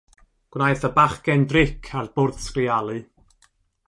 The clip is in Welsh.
Gwnaeth y bachgen dric â'r bwrdd sgrialu.